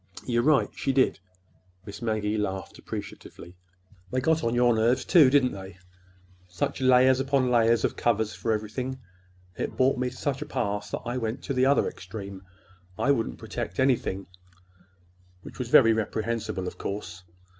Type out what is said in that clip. "You're right she did!" Miss Maggie laughed appreciatively. "They got on your nerves, too, didn't they? Such layers upon layers of covers for everything! It brought me to such a pass that I went to the other extreme. I wouldn't protect anything—which was very reprehensible, of course.